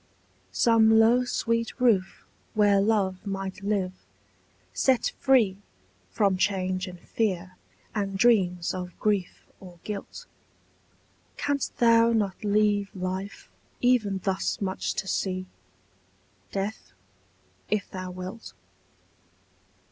Some low sweet roof where love might live, set free From change and fear and dreams of grief or guilt; Canst thou not leave life even thus much to see, Death, if thou wilt?